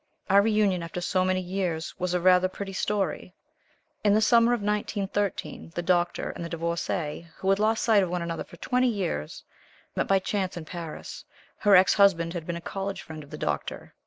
Our reunion, after so many years, was a rather pretty story. In the summer of 1913, the Doctor and the Divorcée, who had lost sight of one another for twenty years, met by chance in Paris. Her ex husband had been a college friend of the Doctor.